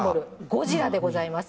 ゴジラでございます。